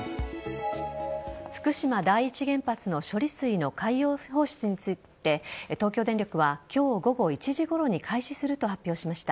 福島第一原発の処理水の海洋放出について東京電力は今日午後１時ごろに開始すると発表しました。